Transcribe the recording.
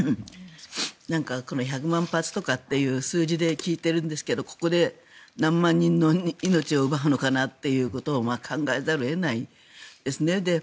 １００万発とかっていう数字で聞いているんですがここで何万人の命を奪うのかなということを考えざるを得ないですね。